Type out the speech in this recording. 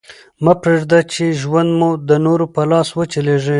مه پرېږده، چي ژوند مو د نورو په لاس وچلېږي.